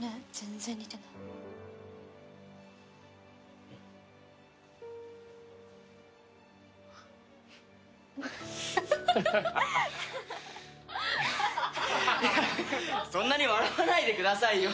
いやそんなに笑わないでくださいよ。